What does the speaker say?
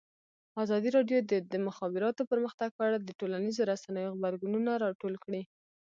ازادي راډیو د د مخابراتو پرمختګ په اړه د ټولنیزو رسنیو غبرګونونه راټول کړي.